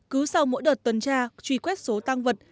cứ sau mỗi đợt tuần tra truy quét số tăng vật